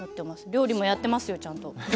料理もやってますよ、ちゃんと。